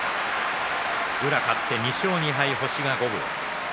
宇良、勝って２勝２敗、星が五分。